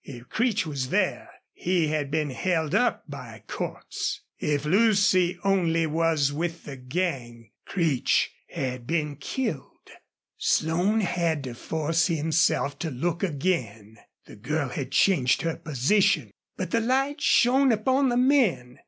If Creech was there he had been held up by Cordts; if Lucy only was with the gang, Creech had been killed. Slone had to force himself to look again. The girl had changed her position. But the light shone upon the men.